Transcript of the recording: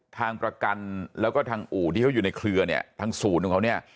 ทางประกันแล้วก็ทางอู่ที่เขาอยู่ในเครือเนี่ยทางศูนย์ของเขาเนี่ย